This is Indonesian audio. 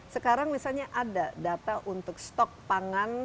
sekarang misalnya ada data untuk stok pangan